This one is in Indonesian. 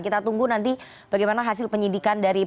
kita tunggu nanti bagaimana hasil penyidikan dari penembakan kasus ini